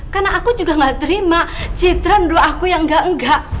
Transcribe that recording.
karena aku juga gak terima citra ngedua aku yang gak enggak